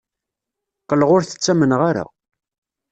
Qqleɣ ur t-ttamneɣ ara.